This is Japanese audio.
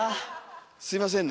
すいませんね。